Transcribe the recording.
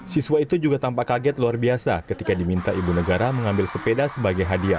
siswa itu juga tampak kaget luar biasa ketika diminta ibu negara mengambil sepeda sebagai hadiah